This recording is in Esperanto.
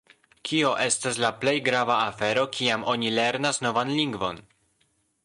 Kio estas la plej grava afero kiam oni lernas novan lingvon?